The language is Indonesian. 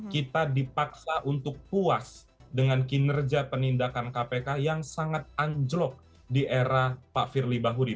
kita dipaksa untuk puas dengan kinerja penindakan kpk yang sangat anjlok di era pak firly bahuri